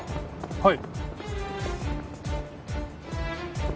はい！